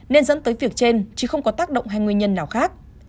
nên dẫn tới việc trên chứ không có tác động hay nguyên nhân nào khác